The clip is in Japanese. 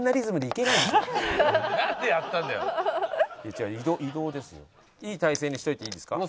いい態勢にしておいていいですか？